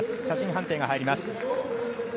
写真判定が入ります。